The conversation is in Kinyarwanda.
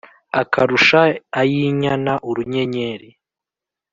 akarusha ay’inyana urunyenyeri